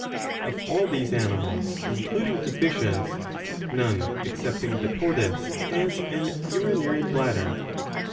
Of all these animals, including the Fishes, none excepting the tortoise has an urinary bladder.